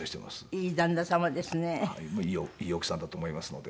いい奥さんだと思いますので。